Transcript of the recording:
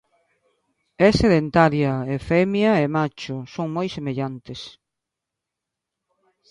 É sedentaria e femia e macho son moi semellantes.